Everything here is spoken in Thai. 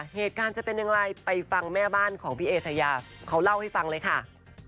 เหตุการณ์จะเป็นอย่างไรไปฟังแม่บ้านของพี่เอชายาเขาเล่าให้ฟังเลยค่ะ